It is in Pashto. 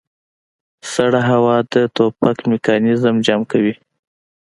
سړه هوا د ټوپک میکانیزم جام کوي